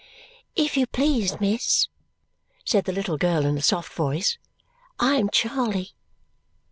"If you please, miss," said the little girl in a soft voice, "I am Charley."